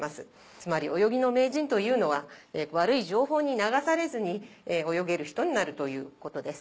つまり泳ぎの名人というのは悪い情報に流されずに泳げる人になるということです。